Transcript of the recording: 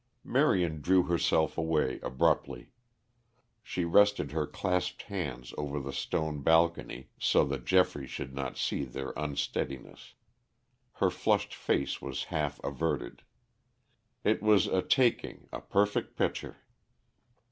Marion drew herself away abruptly. She rested her clasped hands over the stone balcony so that Geoffrey should not see their unsteadiness; her flushed face was half averted. It was a taking, a perfect picture.